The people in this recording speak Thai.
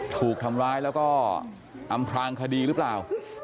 ถูกทำร้ายแล้วก็อำพลางคดีหรือเปล่า